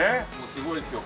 すごいですよ。